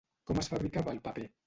Com es fabricava el paper?